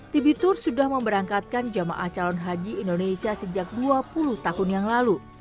tibi tur sudah memberangkatkan jamaah calon haji indonesia sejak dua puluh tahun yang lalu